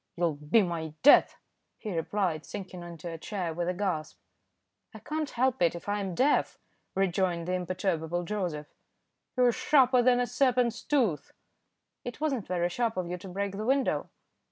"You'll be my death," he replied, sinking into a chair with a gasp. "I can't help it if I am deaf," rejoined the imperturbable Joseph. "You're sharper than a serpent's tooth." "It wasn't very sharp of you to break the window."